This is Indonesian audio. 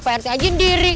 perte aja sendiri